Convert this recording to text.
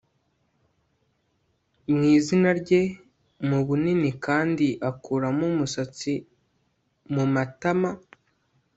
mwizina rye mubunini kandi akuramo umusatsi mumatama